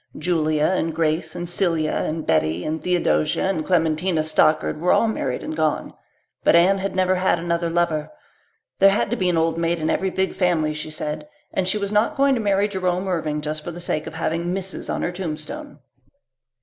Julia and Grace and Celia and Betty and Theodosia and Clementina Stockard were all married and gone. But Anne had never had another lover. There had to be an old maid in every big family she said, and she was not going to marry Jerome Irving just for the sake of having Mrs. on her tombstone.